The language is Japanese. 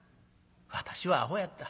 私はアホやった。